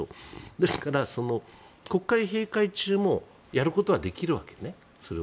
ですから、国会閉会中もやることはできるわけ、それを。